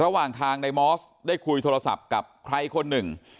ระหว่างทางในมอสได้คุยโทรศัพท์กับใครคนหนึ่ง